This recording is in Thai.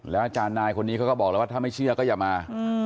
อาจารย์นายคนนี้เขาก็บอกแล้วว่าถ้าไม่เชื่อก็อย่ามา